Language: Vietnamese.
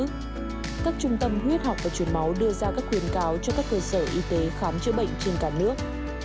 các trung tâm huyết học và chuyển máu đưa ra các khuyến cáo cho các cơ sở y tế khám chữa bệnh trên cả nước